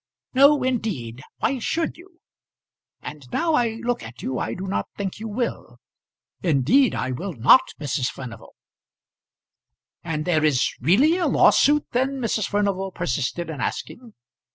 "No, indeed. Why should you? And now I look at you I do not think you will." "Indeed I will not, Mrs. Furnival." "And there is really a lawsuit then?" Mrs. Furnival persisted in asking.